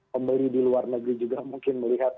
pembeli di luar negeri juga mungkin melihat